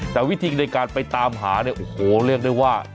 แต่วิธีในการไปตามหาเนี่ยโอ้โหเรียกได้ว่า